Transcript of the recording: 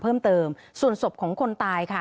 เพิ่มเติมส่วนศพของคนตายค่ะ